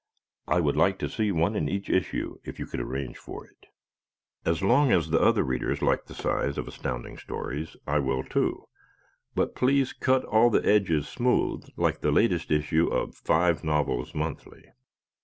I would like to see one in each issue, if you could arrange for it. As long as the other readers like the size of Astounding stories, I will, too, but please cut all edges smooth like the latest issue of Five Novels Monthly.